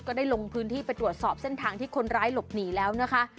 ได้ลงพื้นที่ไปตรวจสอบเส้นทางที่คนร้ายหลบหนีแล้วนะคะ